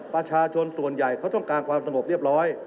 ประชาชนส่วนใหญ่เขาต้องการความสงบเรียบร้อย